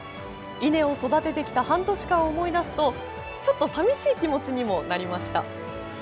稲を育ててきた半年間を思い出すとちょっと寂しい気持ちにもなりました。